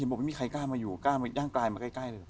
บอกไม่มีใครกล้ามาอยู่กล้ามาย่างกลายมาใกล้เลย